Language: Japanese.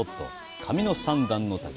「神の三段の滝」。